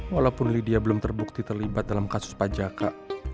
walaupun lidia belum terbukti terlibat dalam kasus pajaka